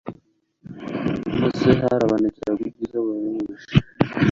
Mu maso he harabagiranaga ubwiza buhebuje